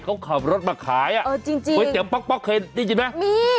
เขาขับรถมาขายอ่ะเออจริงจริงก๋วยเตี๋ป๊อกเคยได้ยินไหมมี